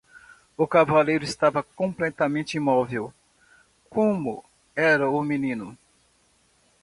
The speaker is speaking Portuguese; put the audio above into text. O cavaleiro estava completamente imóvel? como era o menino.